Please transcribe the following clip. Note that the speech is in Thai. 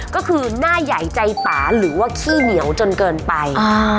ก็คือหน้าใหญ่ใจป่าหรือว่าขี้เหนียวจนเกินไป